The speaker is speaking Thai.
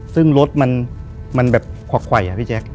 ซึ่งรถมันมันแบบควักไข่อะพี่แจ๊ก